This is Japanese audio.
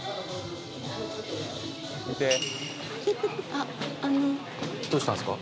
⁉見てあっあのどうしたんすか？